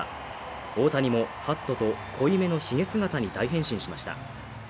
大谷もハットと濃いめのひげ姿に大変身しました。